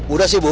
udah sih bu